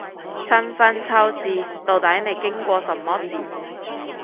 春分秋至，到底你經過什麼事